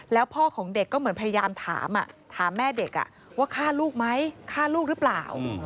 แล้วพ่อของเด็กก็เหมือนพยายามถามถามแม่เด็กว่าฆ่าลูกไหมฆ่าลูกหรือเปล่า